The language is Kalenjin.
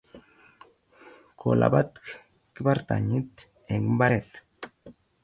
Ko lapat kibartannyit eng mbaret